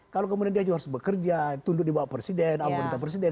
kalau kemudian dia harus bekerja tunduk dibawa presiden amat menter presiden